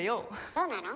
そうなの？